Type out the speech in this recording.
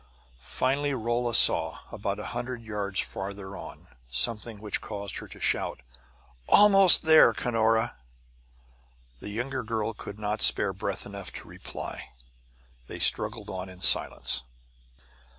Finally Rolla saw, about a hundred yards farther on, something which caused her to shout: "Almost there, Cunora!" The younger girl could not spare breath enough to reply. They struggled on in silence.